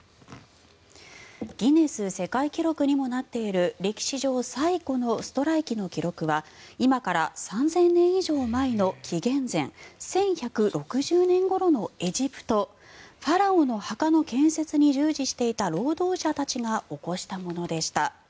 ギネス世界記録にもなっている歴史上最古のストライキの記録は今から３０００年以上前の紀元前１１６０年ごろのエジプトファラオの墓の建設に従事していた労働者たちが起こしたものでした。